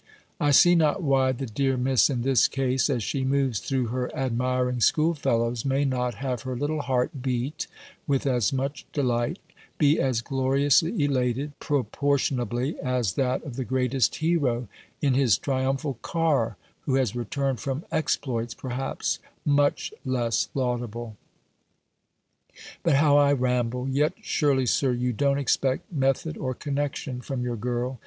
_ I see not why the dear Miss in this case, as she moves through her admiring school fellows, may not have her little heart beat with as much delight, be as gloriously elated, proportionably, as that of the greatest hero in his triumphal car, who has returned from exploits, perhaps, much less laudable. But how I ramble! Yet surely, Sir, you don't expect method or connection from your girl.